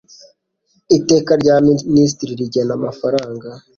Iteka rya Minisitiri rigena amafaranga